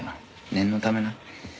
念のためな。